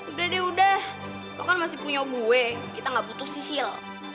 udah deh udah lo kan masih punya gue kita gak butuh sisil